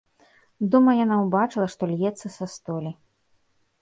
Дома яна ўбачыла, што льецца са столі.